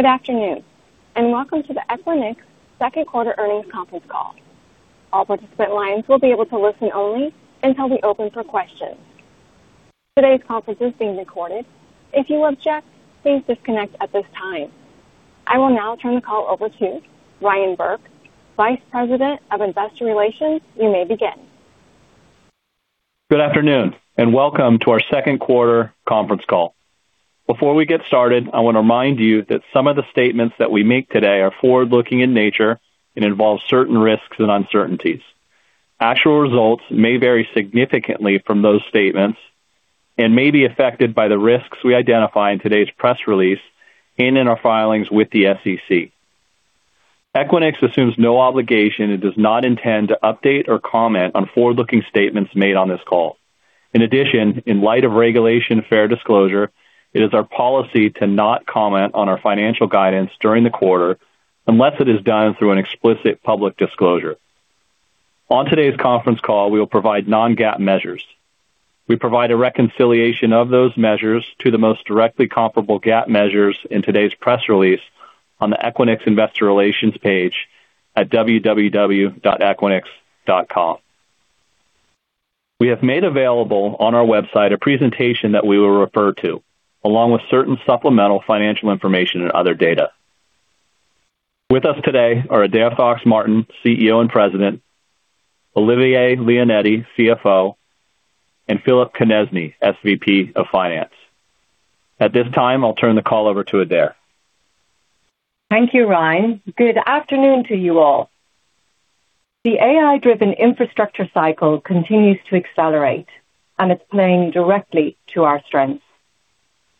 Good afternoon, and welcome to the Equinix second quarter earnings conference call. All participant lines will be able to listen only until we open for questions. Today's conference is being recorded. If you object, please disconnect at this time. I will now turn the call over to Ryan Burke, Vice President of Investor Relations. You may begin. Good afternoon, and welcome to our second quarter conference call. Before we get started, I want to remind you that some of the statements that we make today are forward-looking in nature and involve certain risks and uncertainties. Actual results may vary significantly from those statements and may be affected by the risks we identify in today's press release and in our filings with the SEC. Equinix assumes no obligation and does not intend to update or comment on forward-looking statements made on this call. In addition, in light of regulation fair disclosure, it is our policy to not comment on our financial guidance during the quarter unless it is done through an explicit public disclosure. On today's conference call, we will provide non-GAAP measures. We provide a reconciliation of those measures to the most directly comparable GAAP measures in today's press release on the Equinix Investor Relations page at www.equinix.com. We have made available on our website a presentation that we will refer to, along with certain supplemental financial information and other data. With us today are Adaire Fox-Martin, CEO and President, Olivier Leonetti, CFO, and Phillip Konieczny, SVP of Finance. At this time, I'll turn the call over to Adaire. Thank you, Ryan. Good afternoon to you all. The AI-driven infrastructure cycle continues to accelerate, and it's playing directly to our strengths.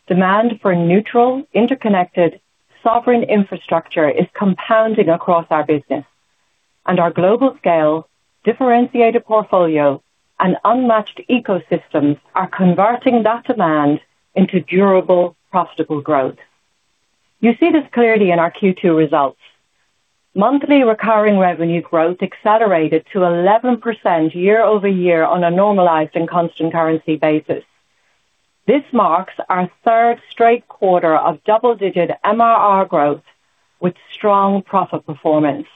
Demand for neutral, interconnected, sovereign infrastructure is compounding across our business. Our global scale, differentiated portfolio, and unmatched ecosystems are converting that demand into durable, profitable growth. You see this clearly in our Q2 results. Monthly recurring revenue growth accelerated to 11% year-over-year on a normalized and constant currency basis. This marks our third straight quarter of double-digit MRR growth with strong profit performance.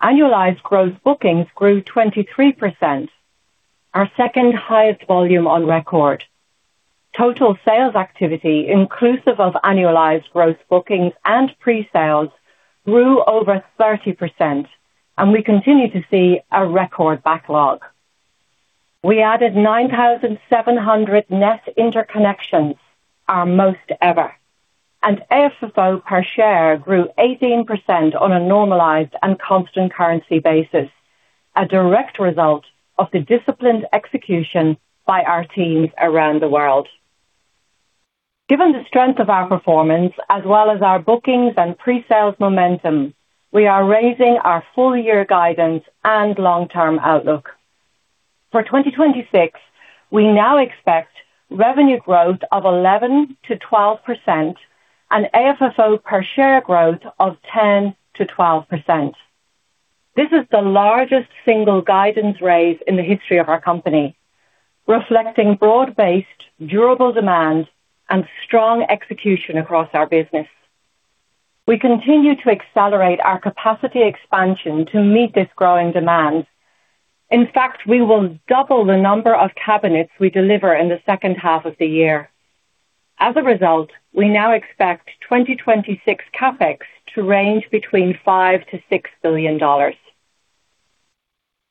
Annualized gross bookings grew 23%, our second highest volume on record. Total sales activity, inclusive of annualized gross bookings and pre-sales, grew over 30%, and we continue to see a record backlog. We added 9,700 net interconnections, our most ever. AFFO per share grew 18% on a normalized and constant currency basis, a direct result of the disciplined execution by our teams around the world. Given the strength of our performance as well as our bookings and pre-sales momentum, we are raising our full year guidance and long-term outlook. For 2026, we now expect revenue growth of 11%-12% and AFFO per share growth of 10%-12%. This is the largest single guidance raise in the history of our company, reflecting broad-based durable demand and strong execution across our business. We continue to accelerate our capacity expansion to meet this growing demand. In fact, we will double the number of cabinets we deliver in the second half of the year. As a result, we now expect 2026 CapEx to range between $5 billion and $6 billion.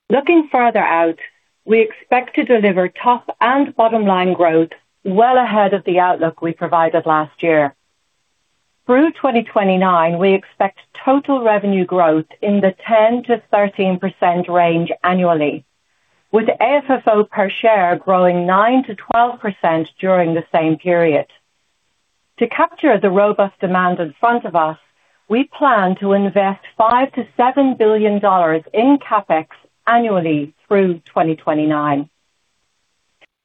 Looking further out, we expect to deliver top- and bottom-line growth well ahead of the outlook we provided last year. Through 2029, we expect total revenue growth in the 10%-13% range annually, with AFFO per share growing 9%-12% during the same period. To capture the robust demand in front of us, we plan to invest $5 billion-$7 billion in CapEx annually through 2029.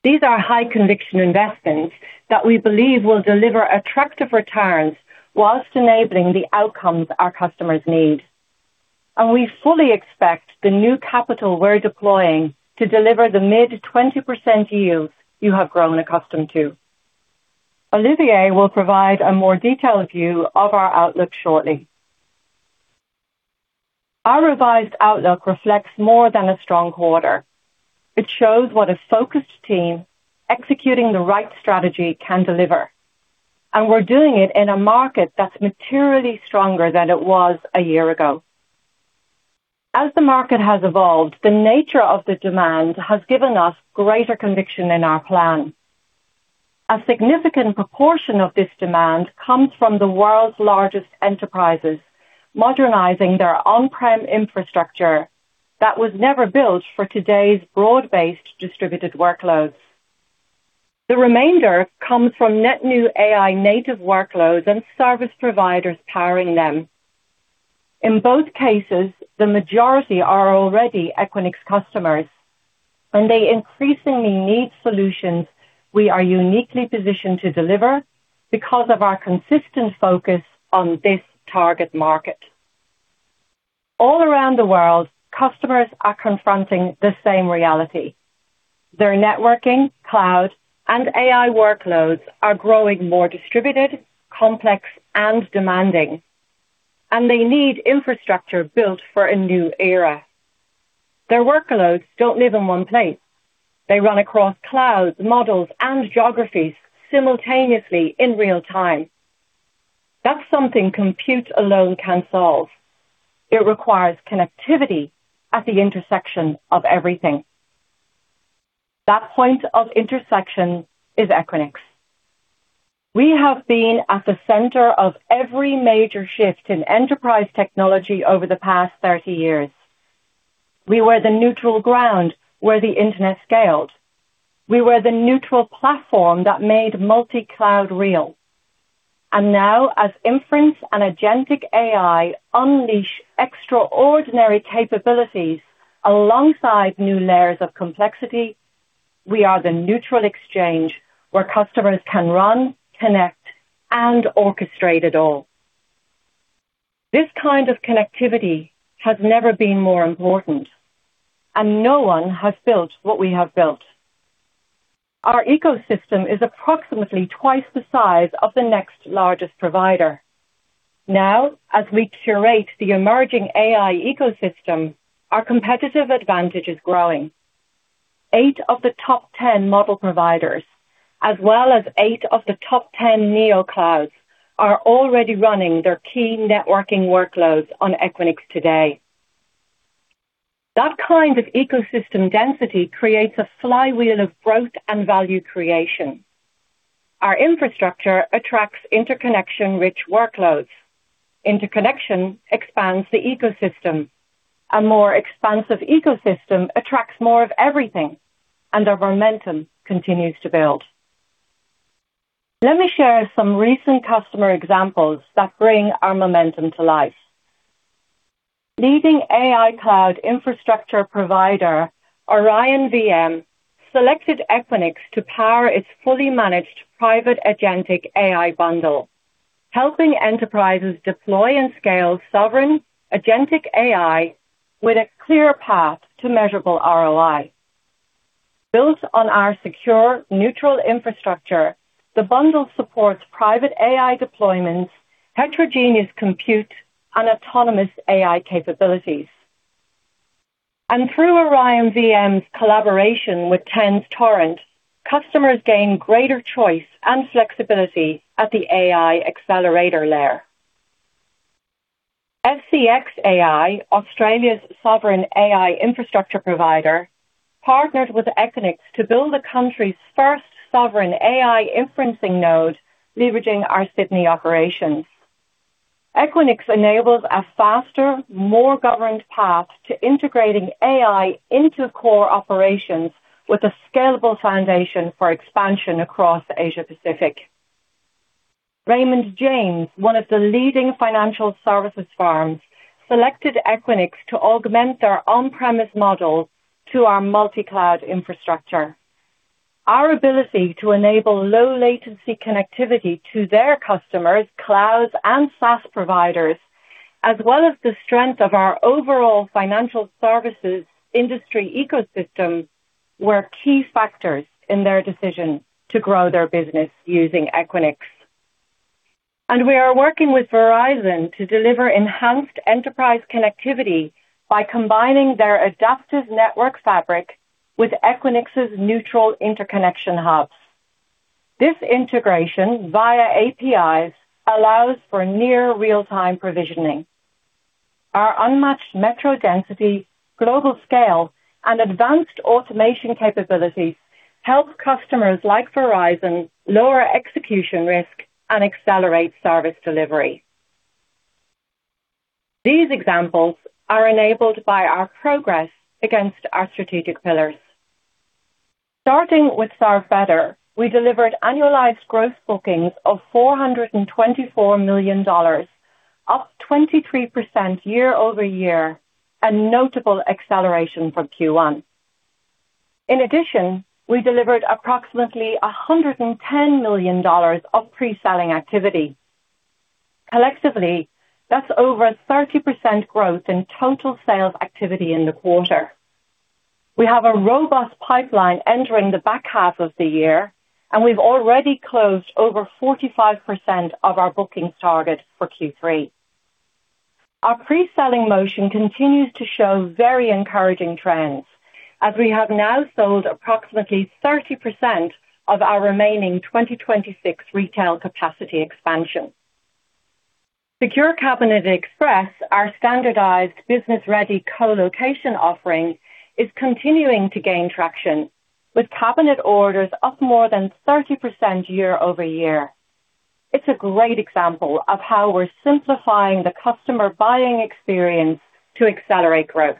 These are high-conviction investments that we believe will deliver attractive returns whilst enabling the outcomes our customers need. We fully expect the new capital we're deploying to deliver the mid-20% yield you have grown accustomed to. Olivier will provide a more detailed view of our outlook shortly. Our revised outlook reflects more than a strong quarter. It shows what a focused team executing the right strategy can deliver. We're doing it in a market that's materially stronger than it was a year ago. As the market has evolved, the nature of the demand has given us greater conviction in our plan. A significant proportion of this demand comes from the world's largest enterprises modernizing their on-prem infrastructure that was never built for today's broad-based distributed workloads. The remainder comes from net new AI native workloads and service providers powering them. In both cases, the majority are already Equinix customers. They increasingly need solutions we are uniquely positioned to deliver because of our consistent focus on this target market. All around the world, customers are confronting the same reality. Their networking, cloud, and AI workloads are growing more distributed, complex, and demanding. They need infrastructure built for a new era. Their workloads don't live in one place. They run across clouds, models, and geographies simultaneously in real-time. That's something compute alone can't solve. It requires connectivity at the intersection of everything. That point of intersection is Equinix. We have been at the center of every major shift in enterprise technology over the past 30 years. We were the neutral ground where the internet scaled. We were the neutral platform that made multi-cloud real. As inference and agentic AI unleash extraordinary capabilities alongside new layers of complexity, we are the neutral exchange where customers can run, connect, and orchestrate it all. This kind of connectivity has never been more important. No one has built what we have built. Our ecosystem is approximately twice the size of the next largest provider. As we curate the emerging AI ecosystem, our competitive advantage is growing. Eight of the top 10 model providers, as well as eight of the top 10 neo clouds, are already running their key networking workloads on Equinix today. That kind of ecosystem density creates a flywheel of growth and value creation. Our infrastructure attracts interconnection-rich workloads. Interconnection expands the ecosystem. A more expansive ecosystem attracts more of everything. Our momentum continues to build. Let me share some recent customer examples that bring our momentum to life. Leading AI cloud infrastructure provider OrionVM selected Equinix to power its fully managed private agentic AI bundle, helping enterprises deploy and scale sovereign agentic AI with a clear path to measurable ROI. Built on our secure, neutral infrastructure, the bundle supports private AI deployments, heterogeneous compute, and autonomous AI capabilities. Through OrionVM's collaboration with Tenstorrent, customers gain greater choice and flexibility at the AI accelerator layer. SCX.ai, Australia's sovereign AI infrastructure provider, partnered with Equinix to build the country's first sovereign AI inferencing node, leveraging our Sydney operations. Equinix enables a faster, more governed path to integrating AI into core operations with a scalable foundation for expansion across Asia Pacific. Raymond James, one of the leading financial services firms, selected Equinix to augment their on-premise models to our multi-cloud infrastructure. Our ability to enable low-latency connectivity to their customers' clouds and SaaS providers, as well as the strength of our overall financial services industry ecosystem, were key factors in their decision to grow their business using Equinix. We are working with Verizon to deliver enhanced enterprise connectivity by combining their adaptive network fabric with Equinix's neutral interconnection hubs. This integration via APIs allows for near real-time provisioning. Our unmatched metro density, global scale, and advanced automation capabilities help customers like Verizon lower execution risk and accelerate service delivery. These examples are enabled by our progress against our strategic pillars. Starting with Start Better, we delivered annualized growth bookings of $424 million, up 23% year-over-year, a notable acceleration from Q1. In addition, we delivered approximately $110 million of pre-selling activity. Collectively, that's over 30% growth in total sales activity in the quarter. We have a robust pipeline entering the back half of the year. We've already closed over 45% of our bookings target for Q3. Our pre-selling motion continues to show very encouraging trends as we have now sold approximately 30% of our remaining 2026 retail capacity expansion. Secure Cabinet Express, our standardized business-ready colocation offering, is continuing to gain traction, with cabinet orders up more than 30% year-over-year. It's a great example of how we're simplifying the customer buying experience to accelerate growth.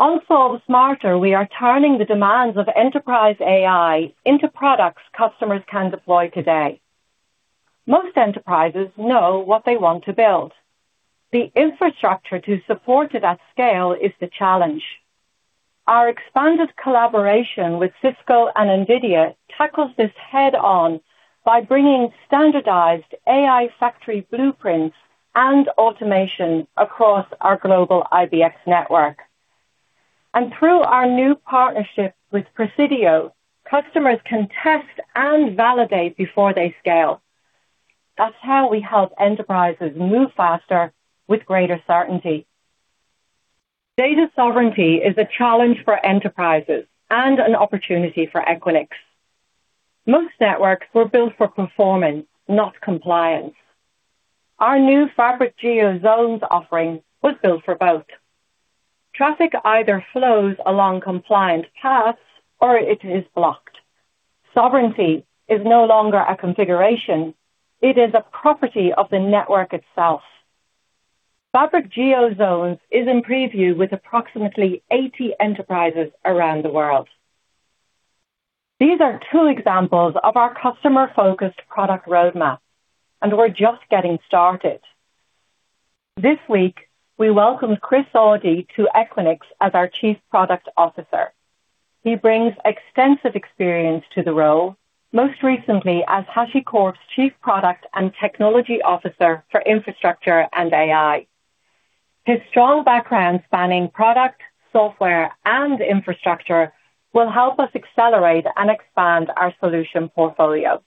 On Solve Smarter, we are turning the demands of enterprise AI into products customers can deploy today. Most enterprises know what they want to build. The infrastructure to support it at scale is the challenge. Our expanded collaboration with Cisco and NVIDIA tackles this head-on by bringing standardized AI factory blueprints and automation across our global IBX network. Through our new partnership with Presidio, customers can test and validate before they scale. That's how we help enterprises move faster with greater certainty. Data sovereignty is a challenge for enterprises and an opportunity for Equinix. Most networks were built for performance, not compliance. Our new Fabric Geo Zones offering was built for both. Traffic either flows along compliant paths, or it is blocked. Sovereignty is no longer a configuration. It is a property of the network itself. Fabric Geo Zones is in preview with approximately 80 enterprises around the world. These are two examples of our customer-focused product roadmap. We're just getting started. This week, we welcomed Chris Audie to Equinix as our Chief Product Officer. He brings extensive experience to the role, most recently as HashiCorp's Chief Product and Technology Officer for infrastructure and AI. His strong background spanning product, software, and infrastructure will help us accelerate and expand our solution portfolio.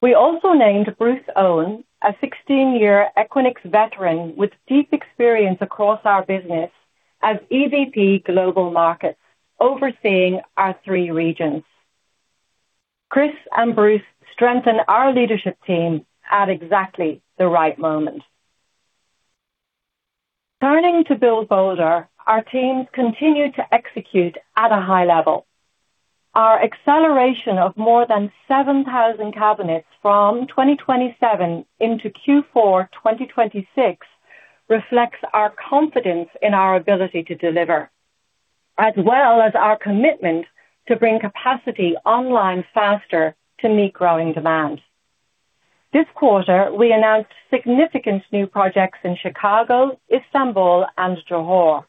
We also named Bruce Owen, a 16-year Equinix veteran with deep experience across our business, as EVP Global Markets, overseeing our three regions. Chris and Bruce strengthen our leadership team at exactly the right moment. Turning to Build Boulder, our teams continue to execute at a high level. Our acceleration of more than 7,000 cabinets from 2027 into Q4 2026 reflects our confidence in our ability to deliver, as well as our commitment to bring capacity online faster to meet growing demand. This quarter, we announced significant new projects in Chicago, Istanbul, and Johor,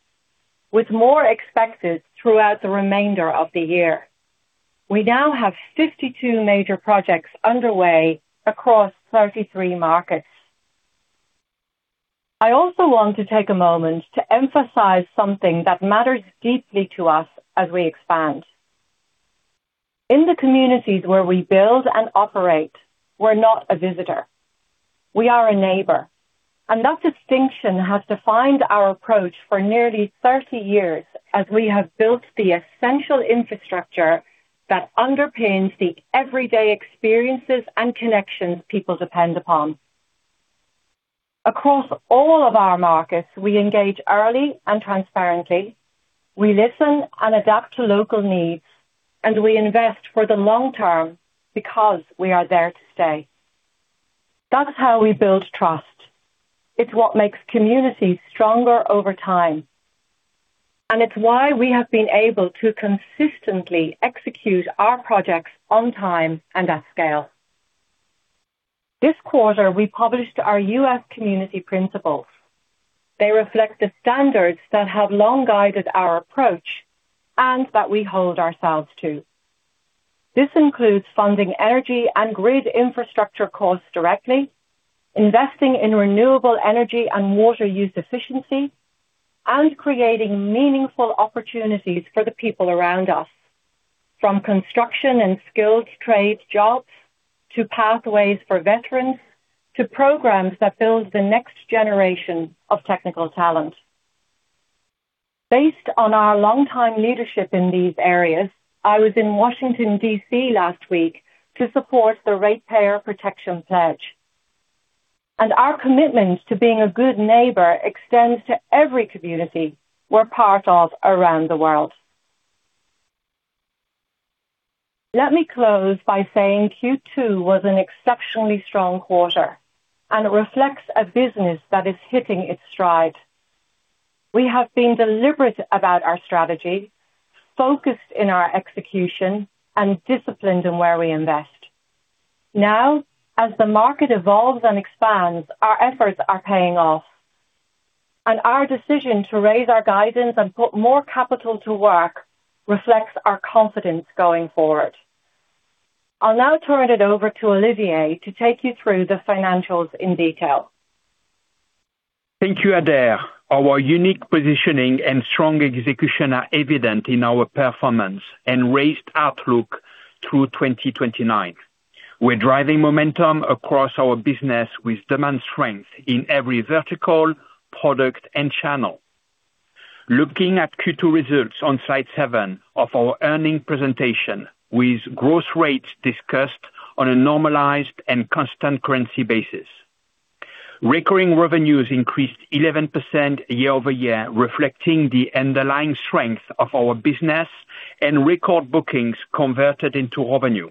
with more expected throughout the remainder of the year. We now have 52 major projects underway across 33 markets. I also want to take a moment to emphasize something that matters deeply to us as we expand. In the communities where we build and operate, we're not a visitor. We are a neighbor. That distinction has defined our approach for nearly 30 years as we have built the essential infrastructure that underpins the everyday experiences and connections people depend upon. Across all of our markets, we engage early and transparently. We listen and adapt to local needs. We invest for the long term because we are there to stay. That's how we build trust. It's what makes communities stronger over time. It's why we have been able to consistently execute our projects on time and at scale. This quarter, we published our U.S. Community Principles. They reflect the standards that have long guided our approach and that we hold ourselves to. This includes funding energy and grid infrastructure costs directly, investing in renewable energy and water use efficiency, and creating meaningful opportunities for the people around us, from construction and skilled trades jobs, to pathways for veterans, to programs that build the next generation of technical talent. Based on our longtime leadership in these areas, I was in Washington, D.C. last week to support the Ratepayer Protection Pledge. Our commitment to being a good neighbor extends to every community we're part of around the world. Let me close by saying Q2 was an exceptionally strong quarter and reflects a business that is hitting its stride. We have been deliberate about our strategy, focused in our execution, and disciplined in where we invest. As the market evolves and expands, our efforts are paying off. Our decision to raise our guidance and put more capital to work reflects our confidence going forward. I'll now turn it over to Olivier to take you through the financials in detail. Thank you, Adaire. Our unique positioning and strong execution are evident in our performance and raised outlook through 2029. We're driving momentum across our business with demand strength in every vertical, product, and channel. Looking at Q2 results on slide seven of our earnings presentation, with growth rates discussed on a normalized and constant currency basis. Recurring revenues increased 11% year-over-year, reflecting the underlying strength of our business and record bookings converted into revenue.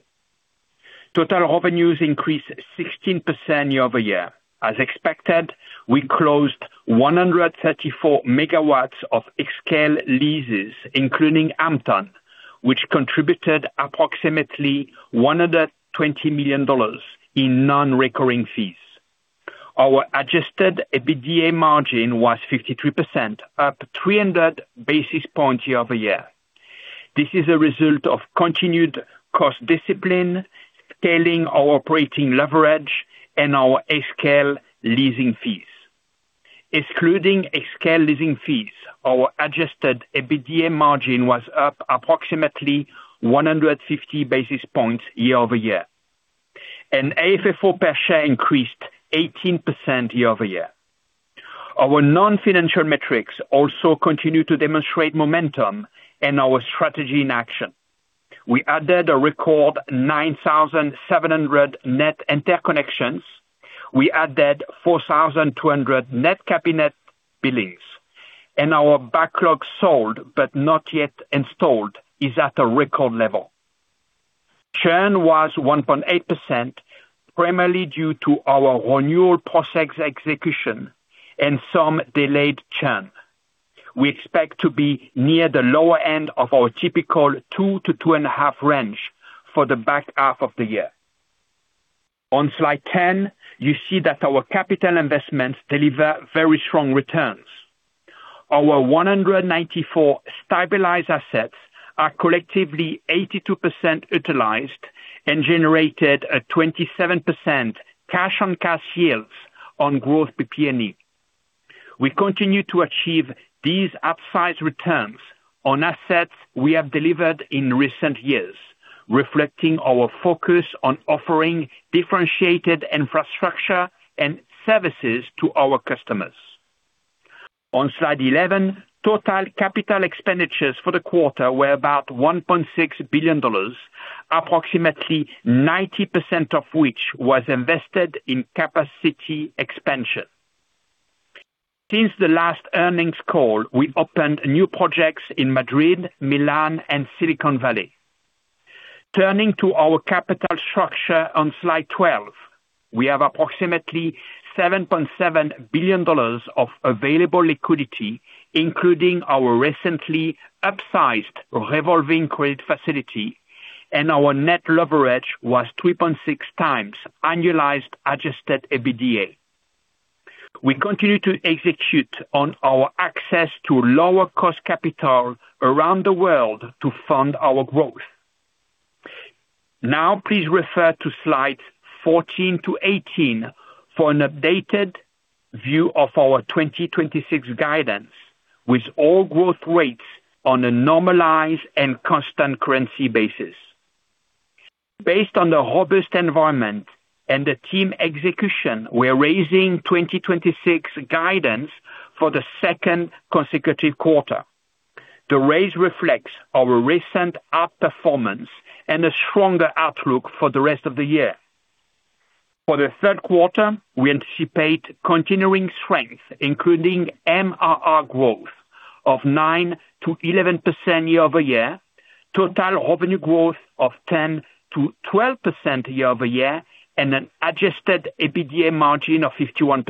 Total revenues increased 16% year-over-year. As expected, we closed 134 MW of xScale leases, including Hampton, which contributed approximately $120 million in non-recurring fees. Our adjusted EBITDA margin was 52%, up 300 basis points year-over-year. This is a result of continued cost discipline, scaling our operating leverage, and our xScale leasing fees. Excluding xScale leasing fees, our adjusted EBITDA margin was up approximately 150 basis points year-over-year. AFFO per share increased 18% year-over-year. Our non-financial metrics also continue to demonstrate momentum and our strategy in action. We added a record 9,700 net interconnections. We added 4,200 net cabinet billings, and our backlog sold but not yet installed is at a record level. Churn was 1.8%, primarily due to our renewal process execution and some delayed churn. We expect to be near the lower end of our typical 2-2.5 range for the back half of the year. On slide 10, you see that our capital investments deliver very strong returns. Our 194 stabilized assets are collectively 82% utilized and generated a 27% cash-on-cash yields on growth PP&E. We continue to achieve these upside returns on assets we have delivered in recent years, reflecting our focus on offering differentiated infrastructure and services to our customers. On slide 11, total capital expenditures for the quarter were about $1.6 billion, approximately 90% of which was invested in capacity expansion. Since the last earnings call, we opened new projects in Madrid, Milan, and Silicon Valley. Turning to our capital structure on slide 12. We have approximately $7.7 billion of available liquidity, including our recently upsized revolving credit facility, and our net leverage was 3.6x annualized adjusted EBITDA. We continue to execute on our access to lower-cost capital around the world to fund our growth. Please refer to slides 14-18 for an updated view of our 2026 guidance with all growth rates on a normalized and constant currency basis. Based on the robust environment and the team execution, we're raising 2026 guidance for the second consecutive quarter. The raise reflects our recent outperformance and a stronger outlook for the rest of the year. For the third quarter, we anticipate continuing strength, including MRR growth of 9%-11% year-over-year, total revenue growth of 10%-12% year-over-year, and an adjusted EBITDA margin of 51%.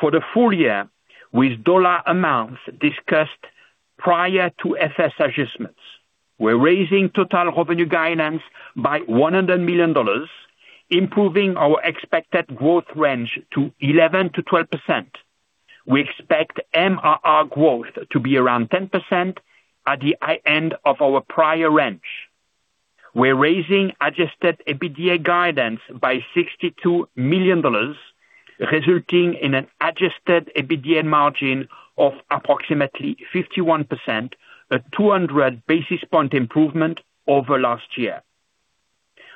For the full year, with dollar amounts discussed prior to FS adjustments, we're raising total revenue guidance by $100 million, improving our expected growth range to 11%-12%. We expect MRR growth to be around 10% at the high end of our prior range. We're raising adjusted EBITDA guidance by $62 million, resulting in an adjusted EBITDA margin of approximately 51%, a 200 basis point improvement over last year.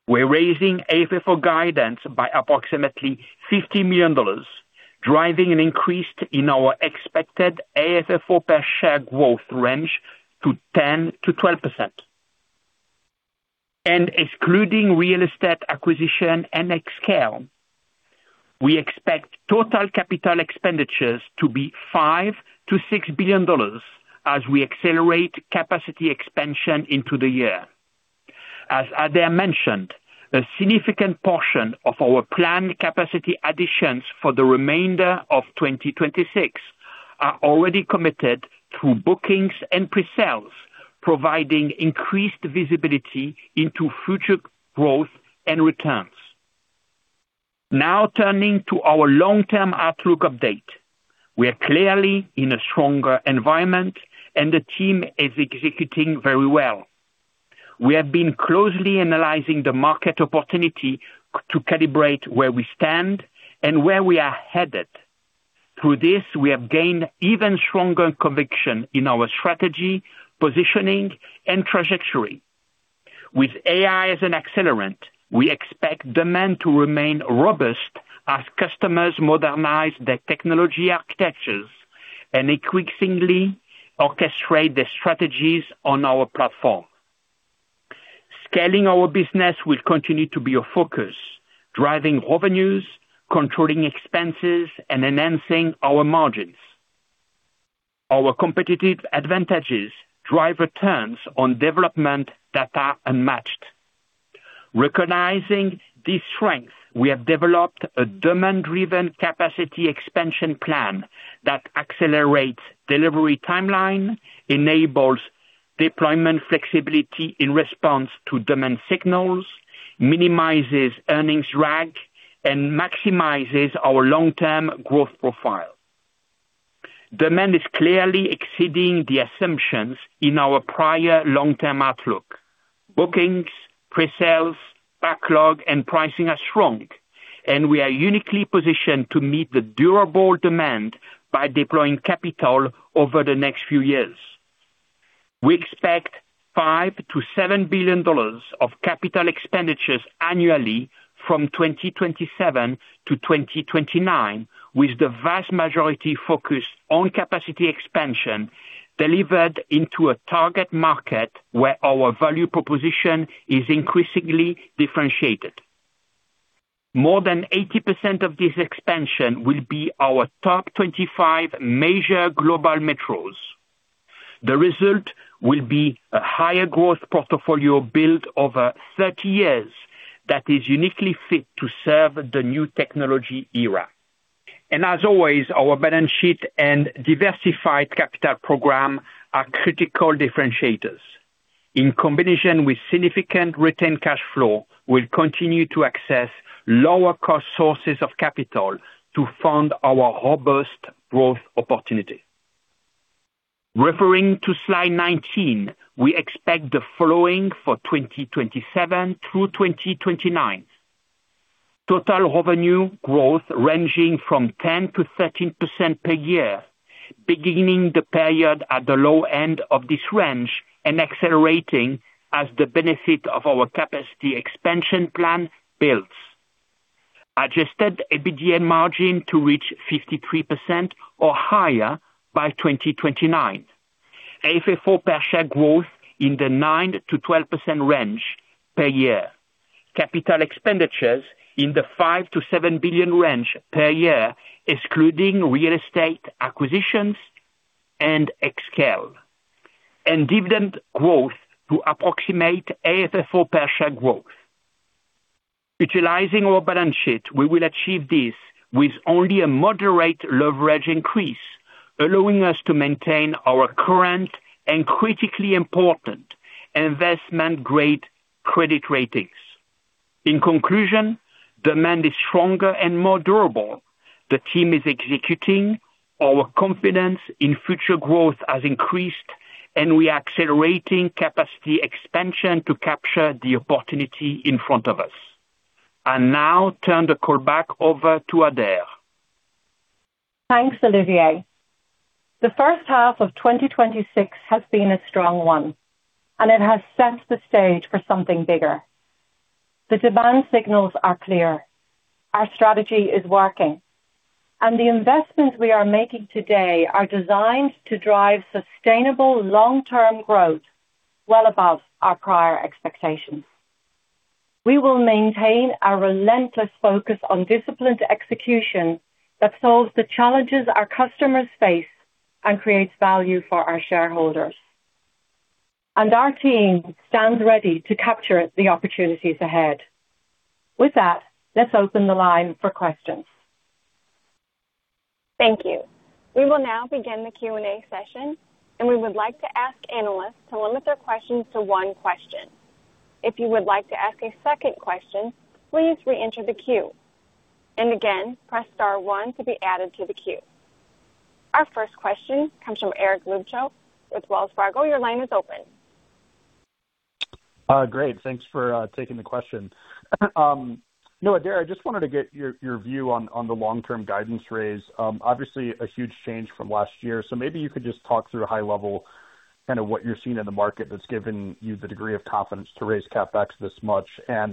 We're raising AFFO guidance by approximately $50 million, driving an increase in our expected AFFO per share growth range to 10%-12%. Excluding real estate acquisition and xScale, we expect total capital expenditures to be $5 billion-$6 billion as we accelerate capacity expansion into the year. As Adaire mentioned, a significant portion of our planned capacity additions for the remainder of 2026 are already committed through bookings and pre-sales, providing increased visibility into future growth and returns. Turning to our long-term outlook update. We are clearly in a stronger environment, and the team is executing very well. We have been closely analyzing the market opportunity to calibrate where we stand and where we are headed. Through this, we have gained even stronger conviction in our strategy, positioning, and trajectory. With AI as an accelerant, we expect demand to remain robust as customers modernize their technology architectures and increasingly orchestrate their strategies on our platform. Scaling our business will continue to be a focus, driving revenues, controlling expenses, and enhancing our margins. Our competitive advantages drive returns on development that are unmatched. Recognizing this strength, we have developed a demand-driven capacity expansion plan that accelerates delivery timeline, enables deployment flexibility in response to demand signals, minimizes earnings drag, and maximizes our long-term growth profile. Demand is clearly exceeding the assumptions in our prior long-term outlook. Bookings, pre-sales, backlog, and pricing are strong, and we are uniquely positioned to meet the durable demand by deploying capital over the next few years. We expect $5 billion-$7 billion of capital expenditures annually from 2027 to 2029, with the vast majority focused on capacity expansion delivered into a target market where our value proposition is increasingly differentiated. More than 80% of this expansion will be our top 25 major global metros. The result will be a higher growth portfolio built over 30 years that is uniquely fit to serve the new technology era. As always, our balance sheet and diversified capital program are critical differentiators. In combination with significant retained cash flow, we'll continue to access lower-cost sources of capital to fund our robust growth opportunity. Referring to slide 19, we expect the following for 2027 through 2029. Total revenue growth ranging from 10%-13% per year, beginning the period at the low end of this range and accelerating as the benefit of our capacity expansion plan builds. Adjusted EBITDA margin to reach 53% or higher by 2029. AFFO per share growth in the 9%-12% range per year. Capital expenditures in the $5 billion-$7 billion range per year, excluding real estate acquisitions and xScale. Dividend growth to approximate AFFO per share growth. Utilizing our balance sheet, we will achieve this with only a moderate leverage increase, allowing us to maintain our current and critically important investment-grade credit ratings. In conclusion, demand is stronger and more durable. The team is executing. Our confidence in future growth has increased, and we are accelerating capacity expansion to capture the opportunity in front of us. I now turn the call back over to Adaire. Thanks, Olivier. The first half of 2026 has been a strong one. It has set the stage for something bigger. The demand signals are clear. Our strategy is working. The investments we are making today are designed to drive sustainable long-term growth well above our prior expectations. We will maintain our relentless focus on disciplined execution that solves the challenges our customers face and creates value for our shareholders. Our team stands ready to capture the opportunities ahead. With that, let's open the line for questions. Thank you. We will now begin the Q&A session. We would like to ask analysts to limit their questions to one question. If you would like to ask a second question, please reenter the queue. Again, press star one to be added to the queue. Our first question comes from Eric Luebchow with Wells Fargo. Your line is open. Great. Thanks for taking the question. Adaire, I just wanted to get your view on the long-term guidance raise. Obviously, a huge change from last year, so maybe you could just talk through high level, what you're seeing in the market that's given you the degree of confidence to raise CapEx this much. As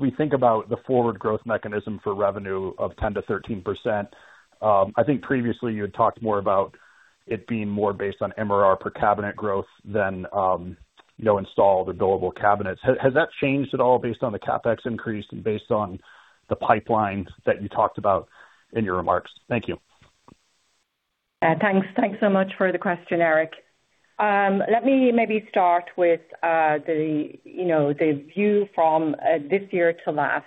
we think about the forward growth mechanism for revenue of 10%-13%, I think previously you had talked more about it being more based on MRR per cabinet growth than installed or billable cabinets. Has that changed at all based on the CapEx increase and based on the pipeline that you talked about in your remarks? Thank you. Thanks so much for the question, Eric. Let me maybe start with the view from this year to last.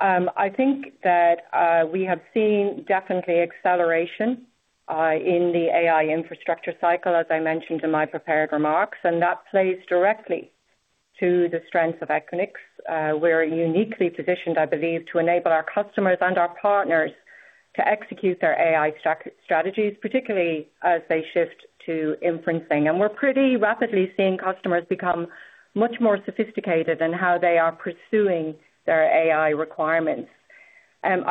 I think that we have seen definitely acceleration in the AI infrastructure cycle, as I mentioned in my prepared remarks. That plays directly to the strength of Equinix. We're uniquely positioned, I believe, to enable our customers and our partners to execute their AI strategies, particularly as they shift to inferencing. We're pretty rapidly seeing customers become much more sophisticated in how they are pursuing their AI requirements.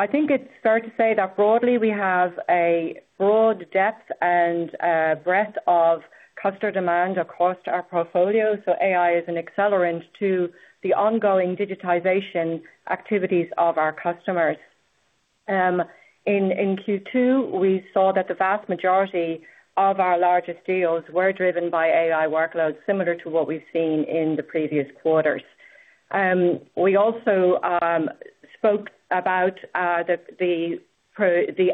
I think it's fair to say that broadly, we have a broad depth and breadth of customer demand across our portfolio, so AI is an accelerant to the ongoing digitization activities of our customers. In Q2, we saw that the vast majority of our largest deals were driven by AI workloads, similar to what we've seen in the previous quarters. We also spoke about the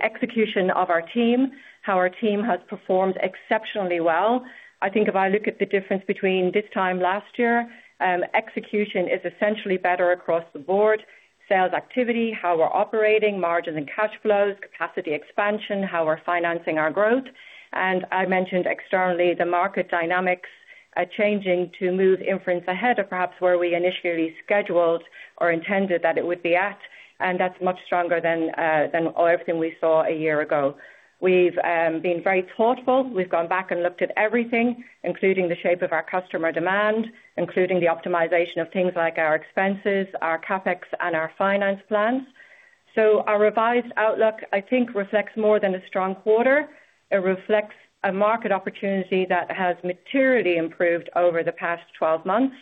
execution of our team, how our team has performed exceptionally well. I think if I look at the difference between this time last year, execution is essentially better across the board. Sales activity, how we're operating, margins and cash flows, capacity expansion, how we're financing our growth. I mentioned externally the market dynamics are changing to move inference ahead of perhaps where we initially scheduled or intended that it would be at, and that's much stronger than everything we saw a year ago. We've been very thoughtful. We've gone back and looked at everything, including the shape of our customer demand, including the optimization of things like our expenses, our CapEx, and our finance plans. Our revised outlook, I think, reflects more than a strong quarter. It reflects a market opportunity that has materially improved over the past 12 months.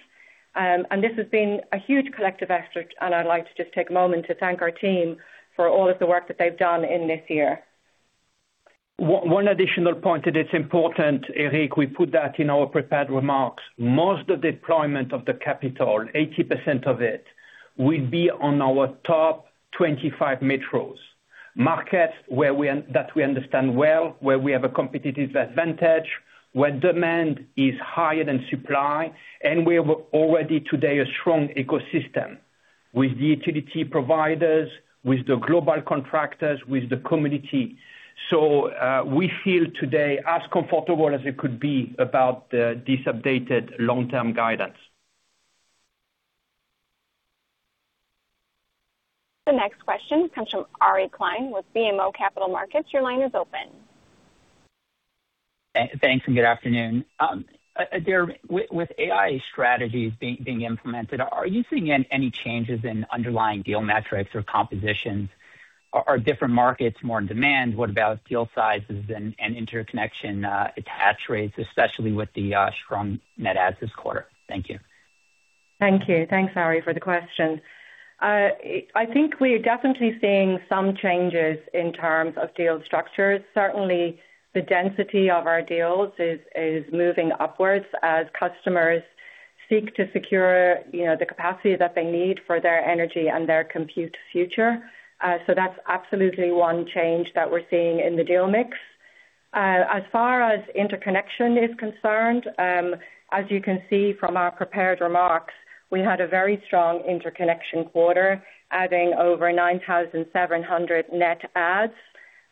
This has been a huge collective effort, and I'd like to just take a moment to thank our team for all of the work that they've done in this year. One additional point that it's important, Eric, we put that in our prepared remarks. Most of deployment of the capital, 80% of it, will be on our top 25 metros. Markets that we understand well, where we have a competitive advantage, where demand is higher than supply. We have already today a strong ecosystem with the utility providers, with the global contractors, with the community. We feel today as comfortable as it could be about this updated long-term guidance. The next question comes from Ari Klein with BMO Capital Markets. Your line is open. Thanks, good afternoon. Adaire, with AI strategies being implemented, are you seeing any changes in underlying deal metrics or compositions? Are different markets more in demand? What about deal sizes and interconnection attach rates, especially with the strong net adds this quarter? Thank you. Thank you. Thanks, Ari, for the question. I think we're definitely seeing some changes in terms of deal structures. Certainly, the density of our deals is moving upwards as customers seek to secure the capacity that they need for their energy and their compute future. That's absolutely one change that we're seeing in the deal mix. As far as interconnection is concerned, as you can see from our prepared remarks, we had a very strong interconnection quarter, adding over 9,700 net adds,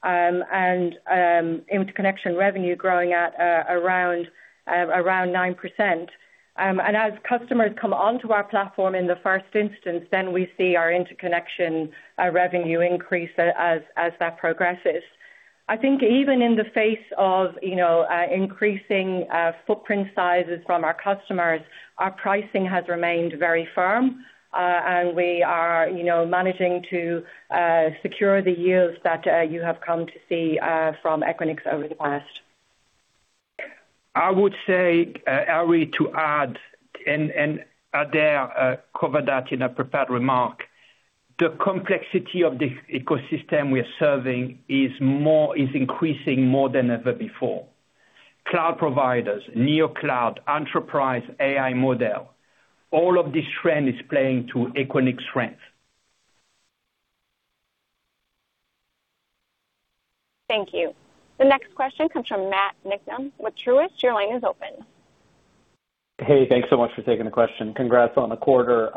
and interconnection revenue growing at around 9%. As customers come onto our platform in the first instance, then we see our interconnection revenue increase as that progresses. I think even in the face of increasing footprint sizes from our customers, our pricing has remained very firm, and we are managing to secure the yields that you have come to see from Equinix over the past. I would say, Ari, to add, Adaire covered that in a prepared remark. The complexity of the ecosystem we are serving is increasing more than ever before. Cloud providers, neo cloud, enterprise AI model, all of this trend is playing to Equinix strength. Thank you. The next question comes from Matt Niknam with Truist. Your line is open. Hey, thanks so much for taking the question. Congrats on the quarter.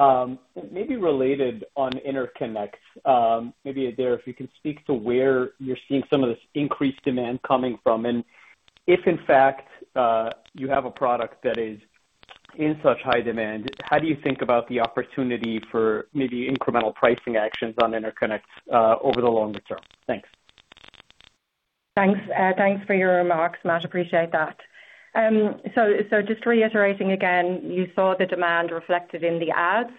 Maybe related on interconnects. Maybe, Adaire, if you can speak to where you're seeing some of this increased demand coming from, and if in fact you have a product that is in such high demand, how do you think about the opportunity for maybe incremental pricing actions on interconnects, over the longer term? Thanks. Thanks. Thanks for your remarks, Matt, appreciate that. Just reiterating again, you saw the demand reflected in the adds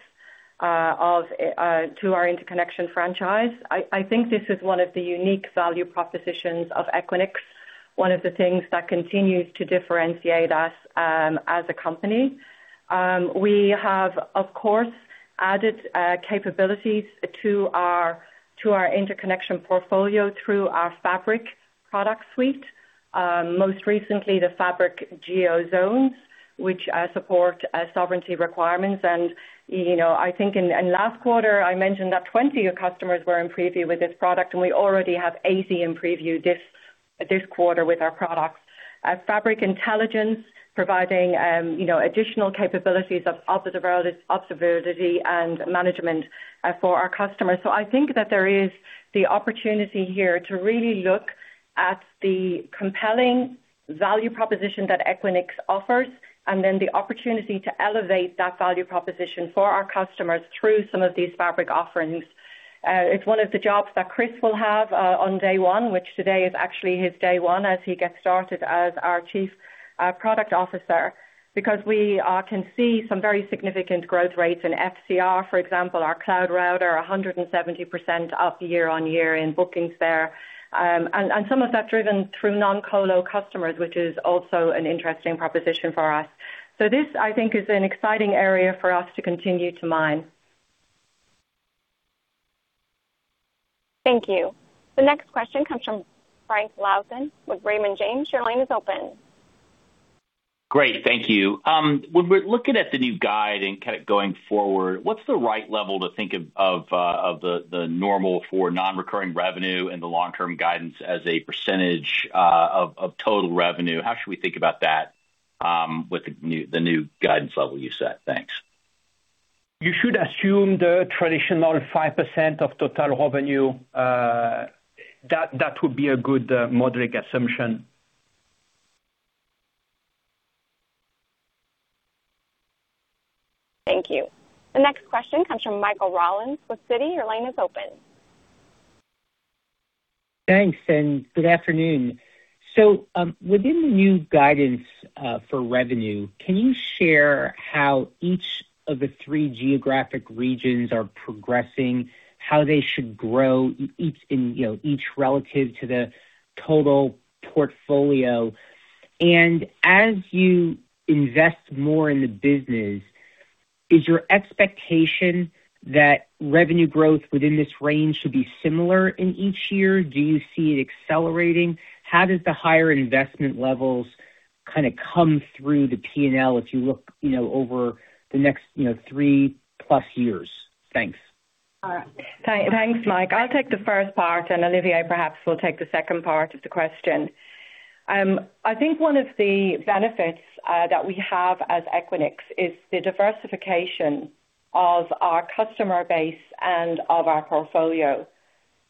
to our interconnection franchise. I think this is one of the unique value propositions of Equinix. One of the things that continues to differentiate us as a company. We have, of course, added capabilities to our interconnection portfolio through our Fabric product suite. Most recently, the Fabric Geo Zones, which support sovereignty requirements. I think in last quarter, I mentioned that 20 customers were in preview with this product, and we already have 80 in preview this quarter with our products. Fabric intelligence providing additional capabilities of observability and management for our customers. I think that there is the opportunity here to really look at the compelling value proposition that Equinix offers, and then the opportunity to elevate that value proposition for our customers through some of these Fabric offerings. It's one of the jobs that Chris will have on day one, which today is actually his day one as he gets started as our Chief Product Officer. We can see some very significant growth rates in FCR. For example, our Cloud Router, 170% up year-on-year in bookings there. Some of that's driven through non-colo customers, which is also an interesting proposition for us. This, I think, is an exciting area for us to continue to mine. Thank you. The next question comes from Frank Louthan with Raymond James. Your line is open. Great. Thank you. When we're looking at the new guide and kind of going forward, what's the right level to think of the normal for non-recurring revenue and the long-term guidance as a percentage of total revenue? How should we think about that with the new guidance level you set? Thanks. You should assume the traditional 5% of total revenue. That would be a good modeling assumption. Thank you. The next question comes from Michael Rollins with Citi. Your line is open. Thanks. Good afternoon. Within the new guidance for revenue, can you share how each of the three geographic regions are progressing, how they should grow each relative to the total portfolio? As you invest more in the business, is your expectation that revenue growth within this range should be similar in each year? Do you see it accelerating? How does the higher investment levels come through the P&L as you look over the next three-plus years? Thanks. Thanks, Mike. I'll take the first part, and Olivier perhaps will take the second part of the question. I think one of the benefits that we have as Equinix is the diversification of our customer base and of our portfolio.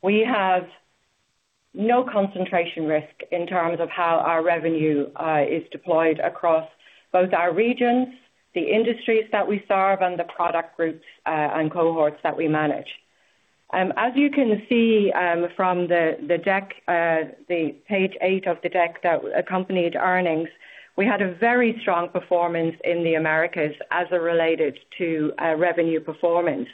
We have no concentration risk in terms of how our revenue is deployed across both our regions, the industries that we serve, and the product groups and cohorts that we manage. As you can see from the page eight of the deck that accompanied earnings, we had a very strong performance in the Americas as it related to revenue performance.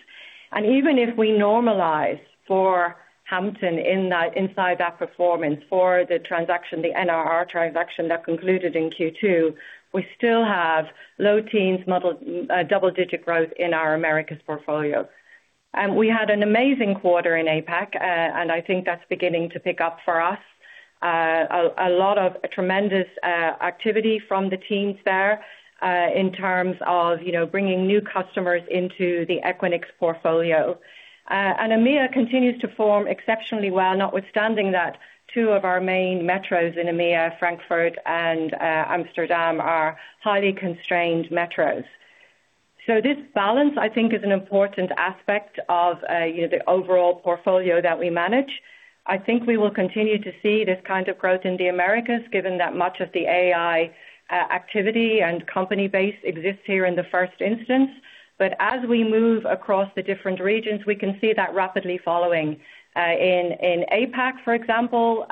Even if we normalize for Hampton inside that performance for the NRR transaction that concluded in Q2, we still have low-teens model double-digit growth in our Americas portfolio. We had an amazing quarter in APAC, and I think that's beginning to pick up for us. A lot of tremendous activity from the teams there in terms of bringing new customers into the Equinix portfolio. EMEA continues to form exceptionally well, notwithstanding that two of our main metros in EMEA, Frankfurt and Amsterdam, are highly constrained metros. This balance, I think, is an important aspect of the overall portfolio that we manage. I think we will continue to see this kind of growth in the Americas, given that much of the AI activity and company base exists here in the first instance. As we move across the different regions, we can see that rapidly following in APAC, for example,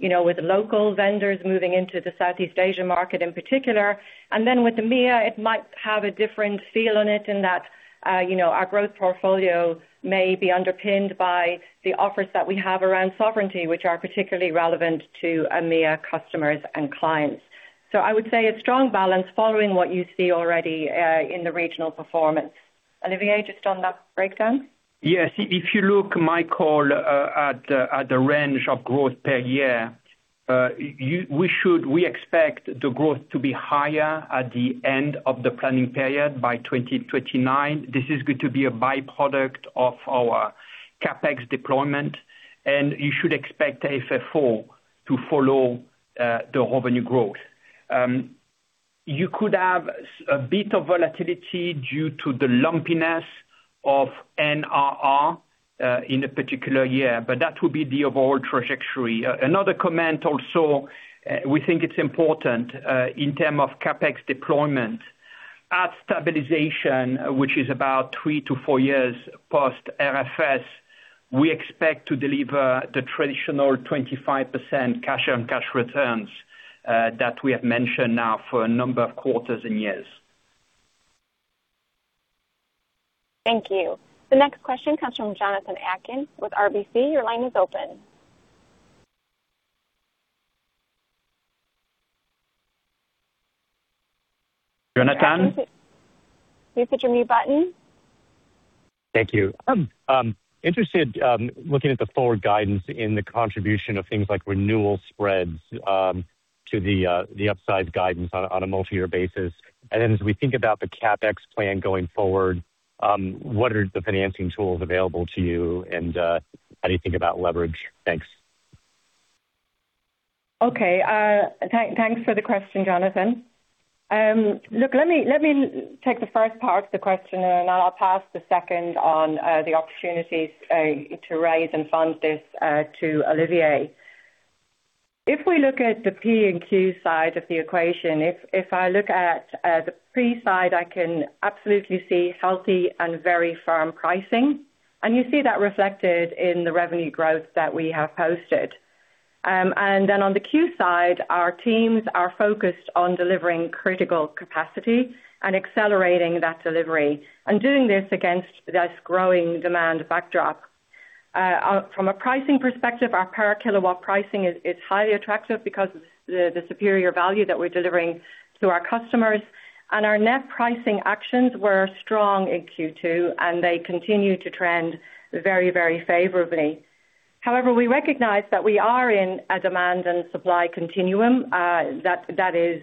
with local vendors moving into the Southeast Asia market in particular. With EMEA, it might have a different feel on it in that our growth portfolio may be underpinned by the offers that we have around sovereignty, which are particularly relevant to EMEA customers and clients. I would say a strong balance following what you see already in the regional performance. Olivier, just on that breakdown. Yes. If you look, Michael, at the range of growth per year, we expect the growth to be higher at the end of the planning period by 2029. This is going to be a byproduct of our CapEx deployment. You should expect FFO to follow the revenue growth. You could have a bit of volatility due to the lumpiness of NRR in a particular year, but that would be the overall trajectory. Another comment also. We think it's important in term of CapEx deployment. At stabilization, which is about three to four years post RFS, we expect to deliver the traditional 25% cash-on-cash returns that we have mentioned now for a number of quarters and years. Thank you. The next question comes from Jonathan Atkin with RBC. Your line is open. Jonathan? Can you hit your mute button? Thank you. I'm interested, looking at the forward guidance in the contribution of things like renewal spreads to the upside guidance on a multi-year basis. As we think about the CapEx plan going forward, what are the financing tools available to you, and how do you think about leverage? Thanks. Okay. Thanks for the question, Jonathan. Look, let me take the first part of the question, then I'll pass the second on the opportunities to raise and fund this to Olivier. If we look at the P&Q side of the equation, if I look at the P side, I can absolutely see healthy and very firm pricing. You see that reflected in the revenue growth that we have posted. On the Q side, our teams are focused on delivering critical capacity and accelerating that delivery, and doing this against this growing demand backdrop. From a pricing perspective, our per kilowatt pricing is highly attractive because of the superior value that we're delivering to our customers. Our net pricing actions were strong in Q2, and they continue to trend very favorably. However, we recognize that we are in a demand and supply continuum that is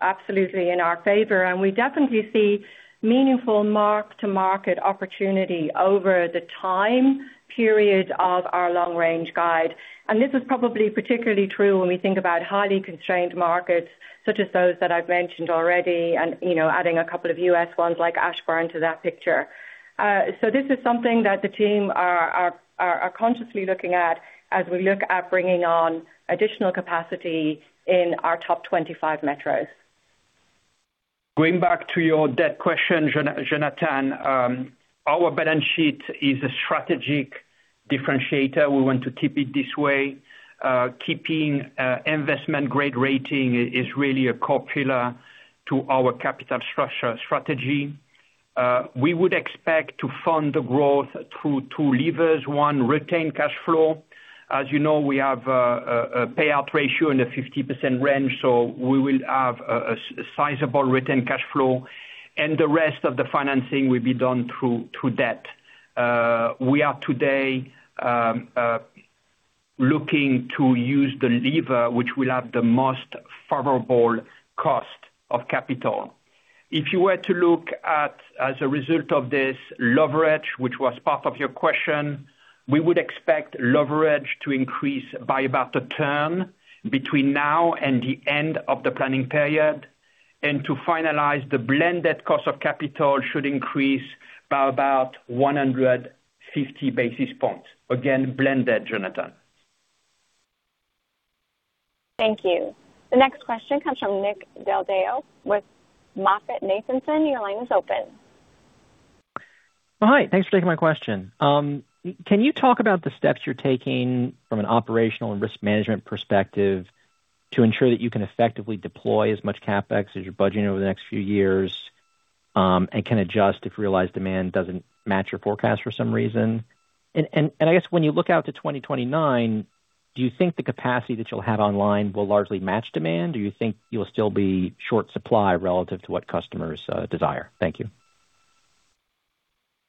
absolutely in our favor, we definitely see meaningful mark-to-market opportunity over the time period of our long range guide. This is probably particularly true when we think about highly constrained markets such as those that I've mentioned already and adding a couple of U.S. ones like Ashburn to that picture. This is something that the team are consciously looking at as we look at bringing on additional capacity in our top 25 metros. Going back to your debt question, Jonathan, our balance sheet is a strategic differentiator. We want to keep it this way. Keeping investment-grade rating is really a core pillar to our capital structure strategy. We would expect to fund the growth through two levers. One, retain cash flow. As you know, we have a payout ratio in the 50% range, so we will have a sizable retained cash flow, and the rest of the financing will be done through debt. We are today looking to use the lever which will have the most favorable cost of capital. If you were to look at, as a result of this leverage, which was part of your question, we would expect leverage to increase by about a term between now and the end of the planning period. To finalize, the blended cost of capital should increase by about 150 basis points. Again, blended, Jonathan. Thank you. The next question comes from Nick Del Deo with MoffettNathanson. Your line is open. Hi, thanks for taking my question. Can you talk about the steps you're taking from an operational and risk management perspective to ensure that you can effectively deploy as much CapEx as you're budgeting over the next few years, and can adjust if realized demand doesn't match your forecast for some reason? When you look out to 2029, do you think the capacity that you'll have online will largely match demand, or you think you'll still be short supply relative to what customers desire? Thank you.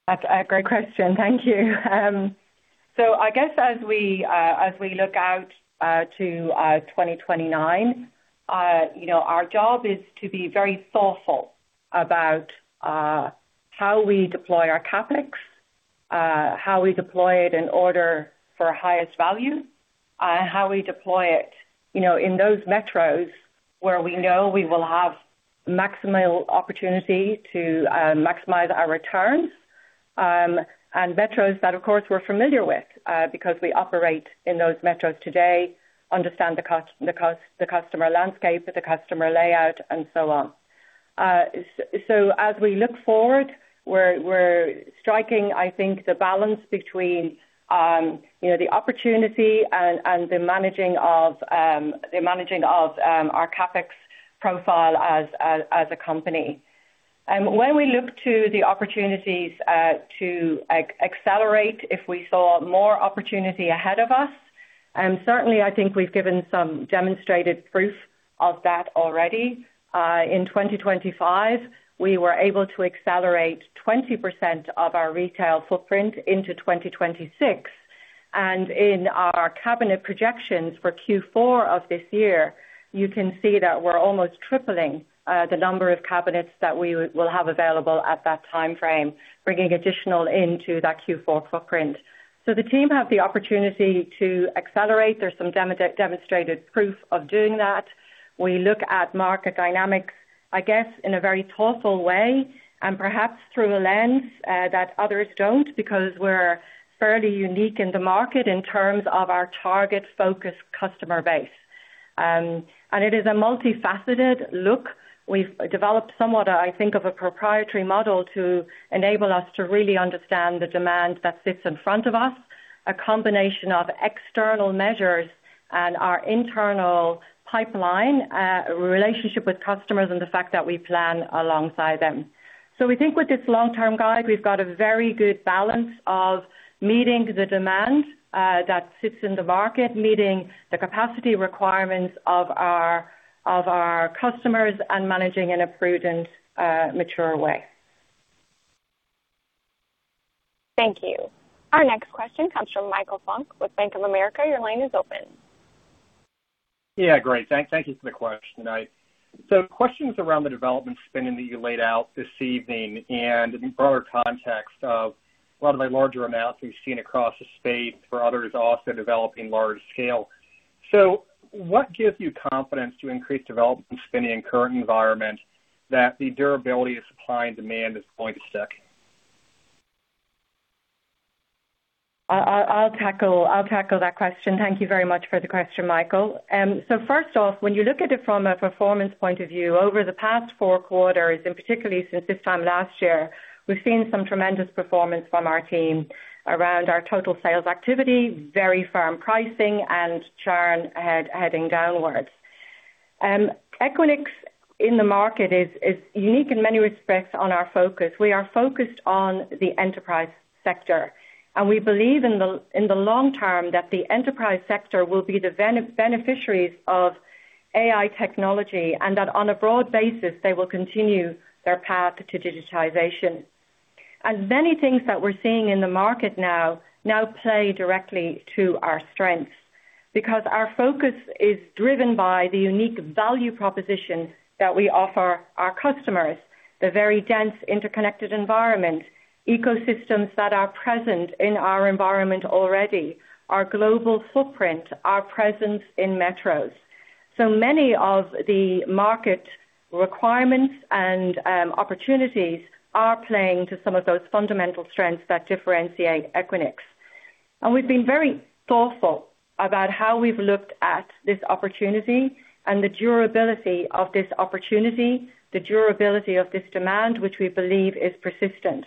That's a great question. Thank you. I guess as we look out to 2029, our job is to be very thoughtful about how we deploy our CapEx, how we deploy it in order for highest value, how we deploy it in those metros where we know we will have maximal opportunity to maximize our returns. Metros that, of course, we're familiar with because we operate in those metros today, understand the customer landscape, the customer layout, and so on. As we look forward, we're striking, I think, the balance between the opportunity and the managing of our CapEx profile as a company. When we look to the opportunities to accelerate, if we saw more opportunity ahead of us, certainly I think we've given some demonstrated proof of that already. In 2025, we were able to accelerate 20% of our retail footprint into 2026. In our cabinet projections for Q4 of this year, you can see that we're almost tripling the number of cabinets that we will have available at that timeframe, bringing additional into that Q4 footprint. The team have the opportunity to accelerate. There's some demonstrated proof of doing that. We look at market dynamics, I guess, in a very thoughtful way and perhaps through a lens that others don't, because we're fairly unique in the market in terms of our target focus customer base. It is a multifaceted look. We've developed somewhat, I think, of a proprietary model to enable us to really understand the demand that sits in front of us, a combination of external measures and our internal pipeline relationship with customers, and the fact that we plan alongside them. We think with this long-term guide, we've got a very good balance of meeting the demand that sits in the market, meeting the capacity requirements of our customers, and managing in a prudent, mature way. Thank you. Our next question comes from Michael Funk with Bank of America. Your line is open. Yeah, great. Thank you for the question. Questions around the development spending that you laid out this evening and in broader context of a lot of the larger amounts we've seen across the space for others also developing large scale. What gives you confidence to increase development spending in current environment, that the durability of supply and demand is going to stick? I'll tackle that question. Thank you very much for the question, Michael. First off, when you look at it from a performance point of view, over the past four quarters, and particularly since this time last year, we've seen some tremendous performance from our team around our total sales activity, very firm pricing, and churn heading downwards. Equinix in the market is unique in many respects on our focus. We are focused on the enterprise sector, and we believe in the long term that the enterprise sector will be the beneficiaries of AI technology, and that on a broad basis they will continue their path to digitization. Many things that we're seeing in the market now play directly to our strengths. Our focus is driven by the unique value proposition that we offer our customers, the very dense, interconnected environment, ecosystems that are present in our environment already, our global footprint, our presence in metros. Many of the market requirements and opportunities are playing to some of those fundamental strengths that differentiate Equinix. We've been very thoughtful about how we've looked at this opportunity and the durability of this opportunity, the durability of this demand, which we believe is persistent.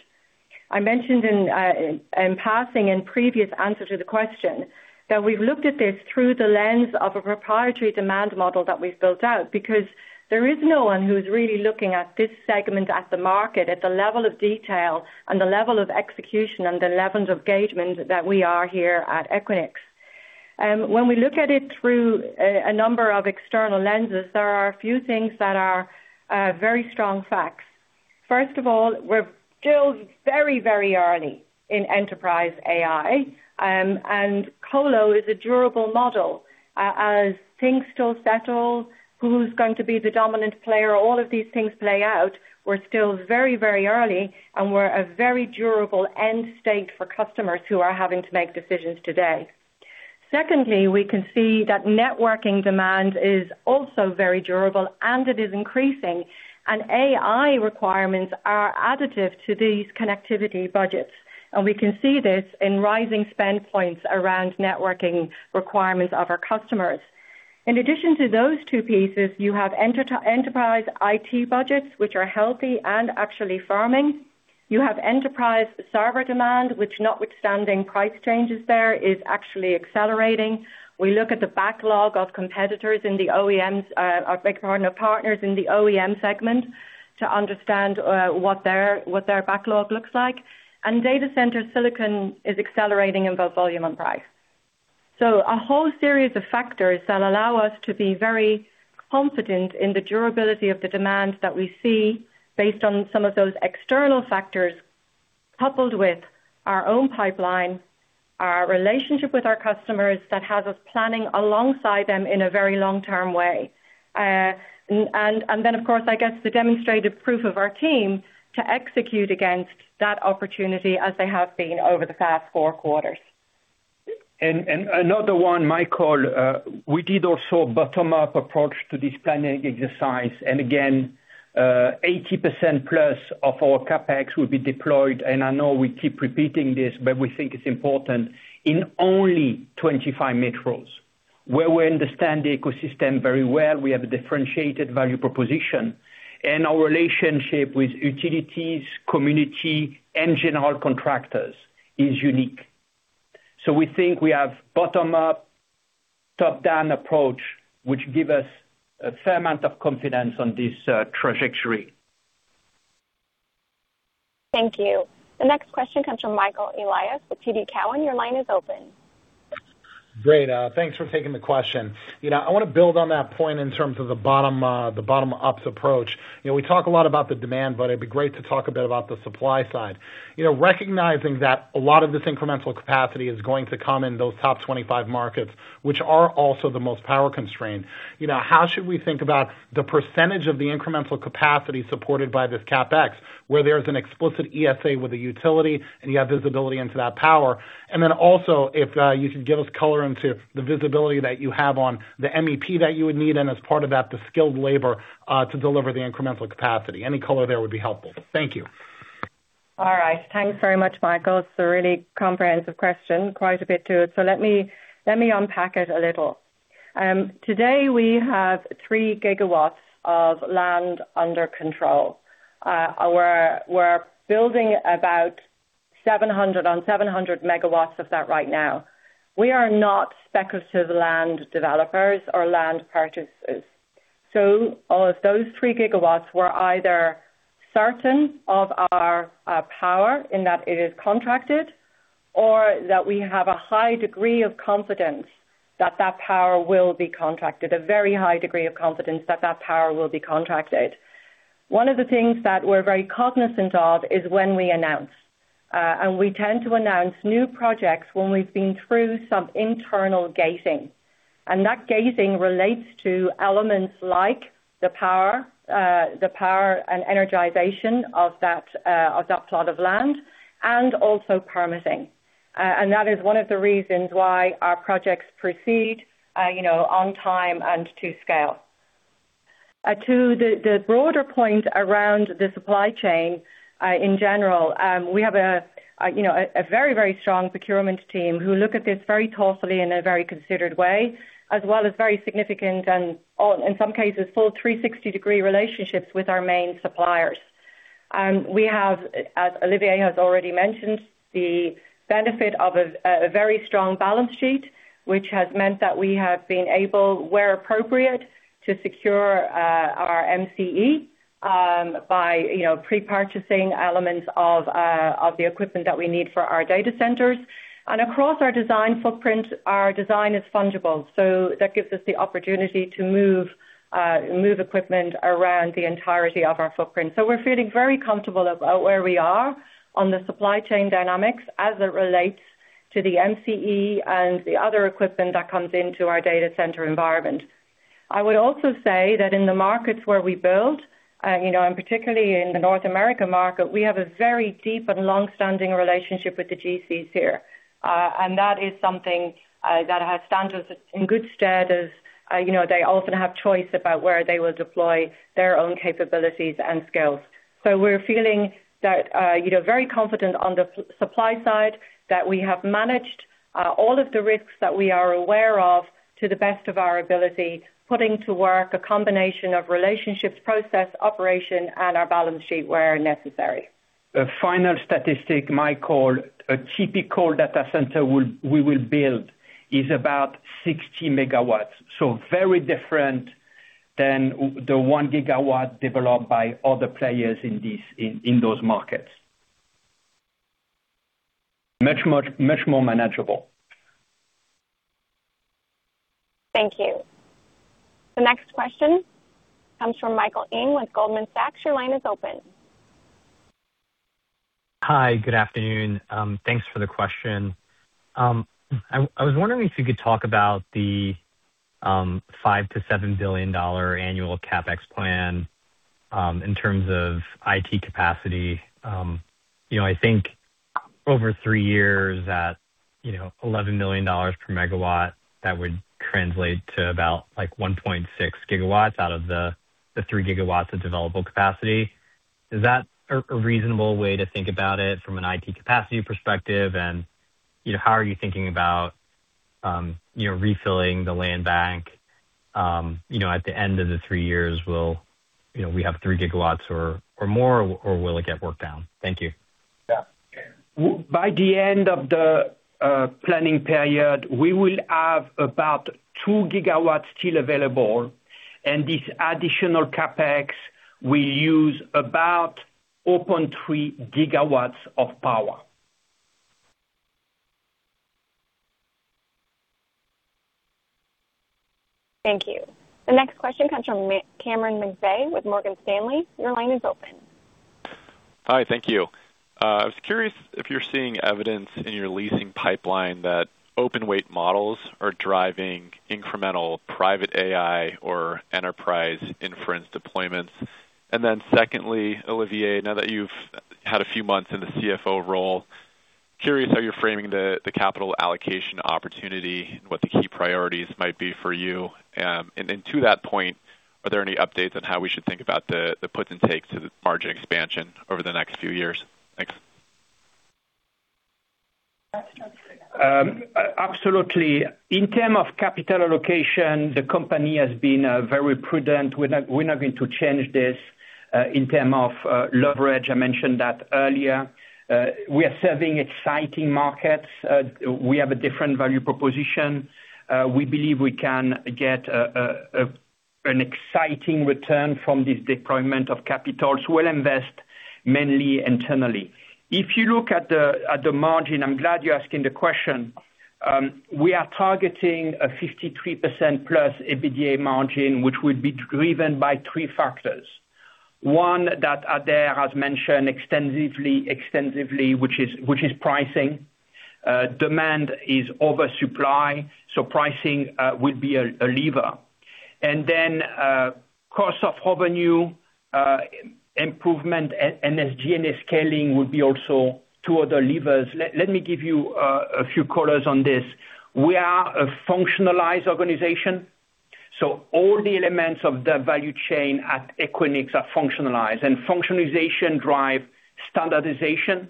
I mentioned in passing in previous answer to the question that we've looked at this through the lens of a proprietary demand model that we've built out, because there is no one who's really looking at this segment, at the market, at the level of detail and the level of execution and the level of engagement that we are here at Equinix. When we look at it through a number of external lenses, there are a few things that are very strong facts. First of all, we're still very early in enterprise AI, and colo is a durable model. As things still settle, who's going to be the dominant player, all of these things play out. We're still very early, and we're a very durable end state for customers who are having to make decisions today. Secondly, networking demand is also very durable, and it is increasing. AI requirements are additive to these connectivity budgets. We can see this in rising spend points around networking requirements of our customers. In addition to those two pieces, you have enterprise IT budgets, which are healthy and actually firming. You have enterprise server demand, which, notwithstanding price changes there, is actually accelerating. We look at the backlog of competitors in the OEM segment to understand what their backlog looks like. Data center silicon is accelerating in both volume and price. A whole series of factors that allow us to be very confident in the durability of the demand that we see based on some of those external factors, coupled with our own pipeline, our relationship with our customers that has us planning alongside them in a very long-term way. Of course, I guess the demonstrated proof of our team to execute against that opportunity as they have been over the past four quarters. Another one, Michael, we did also bottom-up approach to this planning exercise. Again, 80%+ of our CapEx will be deployed. I know we keep repeating this, but we think it's important, in only 25 metros where we understand the ecosystem very well, we have a differentiated value proposition, and our relationship with utilities, community, and general contractors is unique. We think we have bottom-up, top-down approach, which give us a fair amount of confidence on this trajectory. Thank you. The next question comes from Michael Elias with TD Cowen. Your line is open. Great. Thanks for taking the question. I want to build on that point in terms of the bottom-ups approach. We talk a lot about the demand, but it'd be great to talk a bit about the supply side. Recognizing that a lot of this incremental capacity is going to come in those top 25 markets, which are also the most power-constrained. How should we think about the percentage of the incremental capacity supported by this CapEx, where there's an explicit ESA with a utility, and you have visibility into that power? And then also, if you could give us color into the visibility that you have on the MEP that you would need and, as part of that, the skilled labor, to deliver the incremental capacity. Any color there would be helpful. Thank you. All right. Thanks very much, Michael. It's a really comprehensive question. Quite a bit to it. Let me unpack it a little. Today we have 3 GW of land under control. We're building about 700 MW of that right now. We are not speculative land developers or land purchasers. Of those 3 GW, we're either certain of our power in that it is contracted or that we have a high degree of confidence that that power will be contracted, a very high degree of confidence that power will be contracted. One of the things that we're very cognizant of is when we announce. We tend to announce new projects when we've been through some internal gating, and that gating relates to elements like the power and energization of that plot of land and also permitting. That is one of the reasons why our projects proceed on time and to scale. To the broader point around the supply chain, in general, we have a very strong procurement team who look at this very thoughtfully in a very considered way, as well as very significant and, in some cases, full 360-degree relationships with our main suppliers. We have, as Olivier has already mentioned, the benefit of a very strong balance sheet, which has meant that we have been able, where appropriate, to secure our M&E by pre-purchasing elements of the equipment that we need for our data centers. Across our design footprint, our design is fungible, so that gives us the opportunity to move equipment around the entirety of our footprint. We're feeling very comfortable about where we are on the supply chain dynamics as it relates to the M&E and the other equipment that comes into our data center environment. I would also say that in the markets where we build, and particularly in the North America market, we have a very deep and long-standing relationship with the GCs here. That is something that has stand us in good stead, as they often have choice about where they will deploy their own capabilities and skills. We're feeling very confident on the supply side that we have managed all of the risks that we are aware of to the best of our ability, putting to work a combination of relationships, process, operation, and our balance sheet where necessary. A final statistic, Michael. A typical data center we will build is about 60 MW. Very different than the 1 GW developed by other players in those markets. Much more manageable. Thank you. The next question comes from Michael Ng with Goldman Sachs. Your line is open. Hi. Good afternoon. Thanks for the question. I was wondering if you could talk about the $5 billion-$7 billion annual CapEx plan in terms of IT capacity. I think over three years at $11 million per megawatt, that would translate to about 1.6 GW out of the 3 GW of developable capacity. Is that a reasonable way to think about it from an IT capacity perspective? How are you thinking about refilling the land bank? At the end of the three years, will we have 3 GW or more, or will it get worked down? Thank you. Yeah. By the end of the planning period, we will have about 2 GW still available, and this additional CapEx will use about 0.3 GW of power. Thank you. The next question comes from Cameron McVeigh with Morgan Stanley. Your line is open. Hi. Thank you. I was curious if you're seeing evidence in your leasing pipeline that open weight models are driving incremental private AI or enterprise inference deployments. Secondly, Olivier, now that you've had a few months in the CFO role, curious how you're framing the capital allocation opportunity and what the key priorities might be for you. To that point, are there any updates on how we should think about the puts and takes of margin expansion over the next few years? Thanks. Absolutely. In term of capital allocation, the company has been very prudent. We're not going to change this in term of leverage, I mentioned that earlier. We are serving exciting markets. We have a different value proposition. We believe we can get an exciting return from this deployment of capital. We'll invest mainly internally. If you look at the margin, I'm glad you're asking the question. We are targeting a 53%+ EBITDA margin, which would be driven by three factors. One that Adaire has mentioned extensively, which is pricing. Demand is over supply, pricing will be a lever. Cost of revenue improvement and SG&A scaling will be also two other levers. Let me give you a few colors on this. We are a functionalized organization. All the elements of the value chain at Equinix are functionalized, and functionalization drive standardization.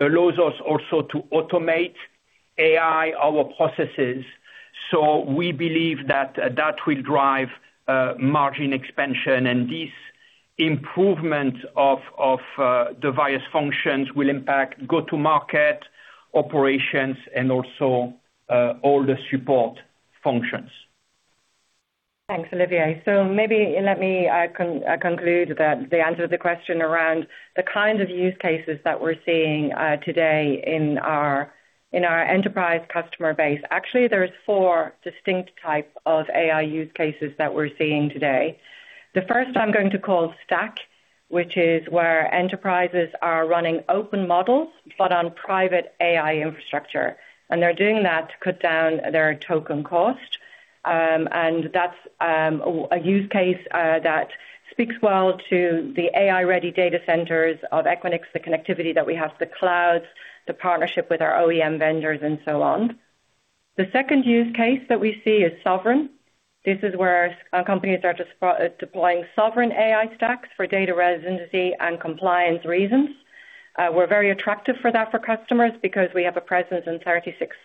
Allows us also to automate AI, our processes. We believe that that will drive margin expansion, and this improvement of the various functions will impact go-to-market operations and also all the support functions. Thanks, Olivier. Maybe let me conclude the answer to the question around the kind of use cases that we're seeing today in our enterprise customer base. Actually, there's four distinct type of AI use cases that we're seeing today. The first I'm going to call stack, which is where enterprises are running open models but on private AI infrastructure. They're doing that to cut down their token cost. That's a use case that speaks well to the AI-ready data centers of Equinix, the connectivity that we have to clouds, the partnership with our OEM vendors, and so on. The second use case that we see is sovereign. This is where companies are deploying sovereign AI stacks for data residency and compliance reasons. We're very attractive for that for customers because we have a presence in 36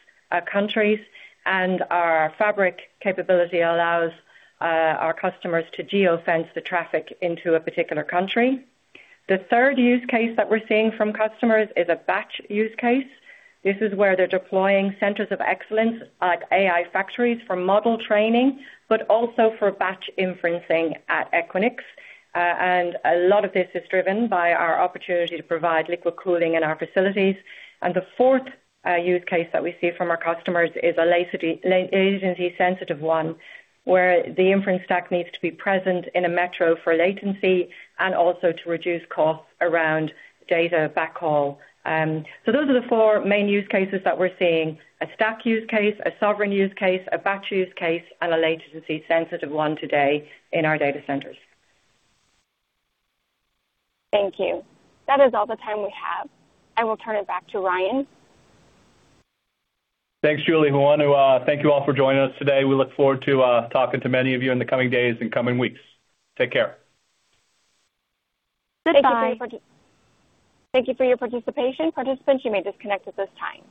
countries, and our Fabric capability allows our customers to geo-fence the traffic into a particular country. The third use case that we're seeing from customers is a batch use case. This is where they're deploying centers of excellence like AI factories for model training, but also for batch inferencing at Equinix. A lot of this is driven by our opportunity to provide liquid cooling in our facilities. The fourth use case that we see from our customers is a latency-sensitive one, where the inference stack needs to be present in a metro for latency and also to reduce costs around data backhaul. Those are the four main use cases that we're seeing. A stack use case, a sovereign use case, a batch use case, and a latency-sensitive one today in our data centers. Thank you. That is all the time we have. I will turn it back to Ryan. Thanks, Julie. Everyone, thank you all for joining us today. We look forward to talking to many of you in the coming days and coming weeks. Take care. Goodbye. Thank you for your participation. Participants, you may disconnect at this time.